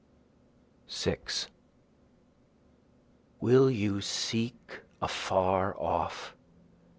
6 Will you seek afar off?